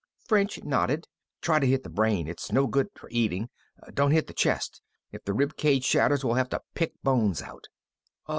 French nodded. "Try to hit the brain. It's no good for eating. Don't hit the chest. If the rib cage shatters, we'll have to pick bones out."